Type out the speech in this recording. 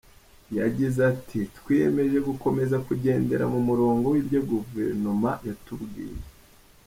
Yagize ati “Twiyemeje gukomeza kugendera mu murongo w’ibyo Guverineri yatubwiye.